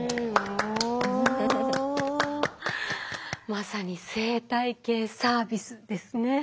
まさに生態系サービスですね。